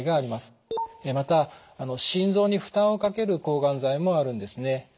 また心臓に負担をかける抗がん剤もあるんですね。